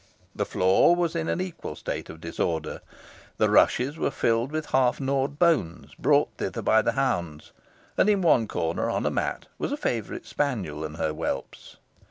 The floor was in an equal state of disorder. The rushes were filled with half gnawed bones, brought thither by the hounds; and in one corner, on a mat, was a favourite spaniel and her whelps.